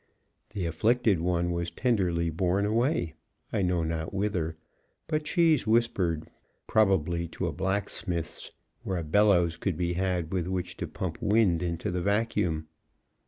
The afflicted one was tenderly borne away, I know not whither, but Cheese whispered probably to a blacksmith's where a bellows could be had with which to pump wind into the vacuum.